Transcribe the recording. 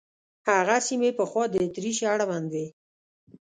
هغه سیمې پخوا د اتریش اړوند وې.